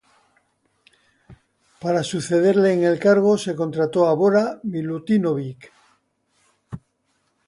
Para sucederle en el cargo se contrató a Bora Milutinović.